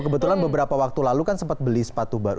kebetulan beberapa waktu lalu kan sempat beli sepatu baru